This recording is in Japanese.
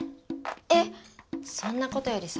え⁉そんなことよりさ